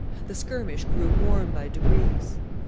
The skirmish grew warm by degrees.